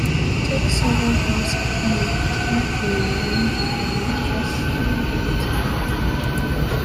Tixover House is now a care home, run by Barchester Healthcare.